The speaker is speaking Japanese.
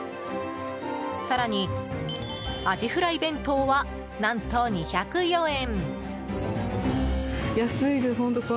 更に、アジフライ弁当は何と２０４円。